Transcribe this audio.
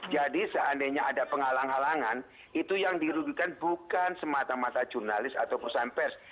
jadi seandainya ada penghalang halangan itu yang dirugikan bukan semata mata jurnalis atau perusahaan pers